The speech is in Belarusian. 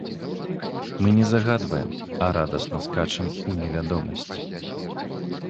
Мы не загадваем, а радасна скачам у невядомасць.